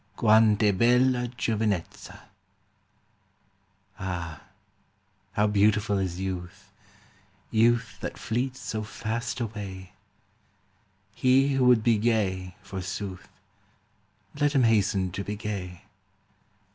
Quant* h bella giovinezza." AH, how beautiful is youth, Youth that fleets so fast away 1 He who would be gay, forsooth. Let him hasten to be gay